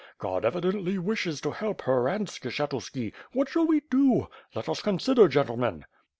God evidently wishes to help her and Skshetuski — what shall we do? Let us consider, gentlemen."